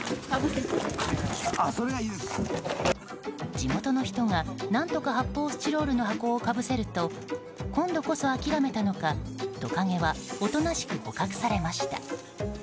地元の人が、何とか発泡スチロールの箱をかぶせると今度こそ諦めたのか、トカゲはおとなしく捕獲されました。